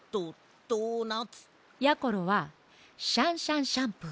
やころは「シャンシャンシャンプー」。